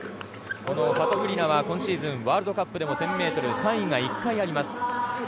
このファトクリナは今シーズンのワールドカップでも１０００ｍで３位が１回あります。